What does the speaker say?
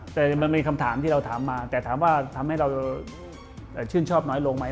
แต่และถามว่าทำให้เราชื่นชอบน้อยลงไหม